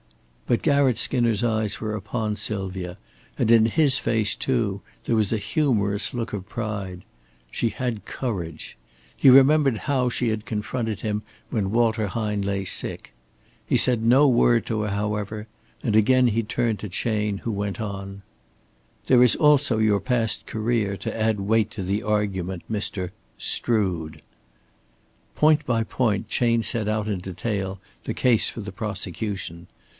But Garratt Skinner's eyes were upon Sylvia, and in his face, too, there was a humorous look of pride. She had courage. He remembered how she had confronted him when Walter Hine lay sick. He said no word to her, however, and again he turned to Chayne, who went on: "There is also your past career to add weight to the argument, Mr. Strood." Point by point Chayne set out in detail the case for the prosecution.